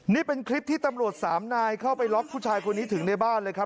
นี่เป็นคลิปที่ตำรวจสามนายเข้าไปล็อกผู้ชายคนนี้ถึงในบ้านเลยครับ